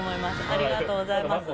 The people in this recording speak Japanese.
ありがとうございます。